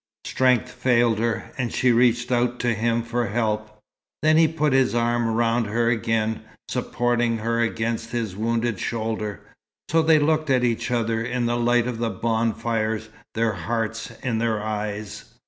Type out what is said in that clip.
Strength failed her, and she reached out to him for help. Then he put his arm round her again, supporting her against his wounded shoulder. So they looked at each other, in the light of the bonfires, their hearts in their eyes.